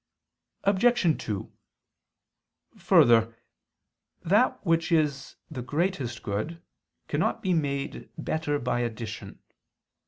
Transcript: Obj. 2: Further, that which is the greatest good cannot be made better by addition.